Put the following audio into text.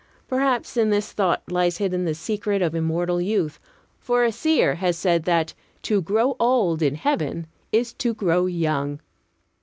Perhaps in this thought lies hidden the secret of immortal youth; for a seer has said that "to grow old in heaven is to grow young."